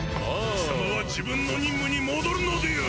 貴様は自分の任務に戻るのである。